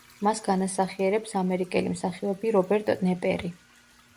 მას განასახიერებს ამერიკელი მსახიობი რობერტ ნეპერი.